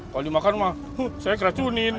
kalau dimakan mah saya keracunin